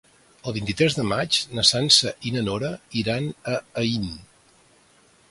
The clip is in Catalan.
El vint-i-tres de maig na Sança i na Nora iran a Aín.